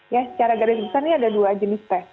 ya secara garis besar ini ada dua jenis tes